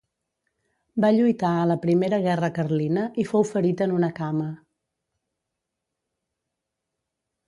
Va lluitar a la Primera Guerra Carlina i fou ferit en una cama.